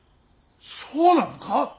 そうなのか。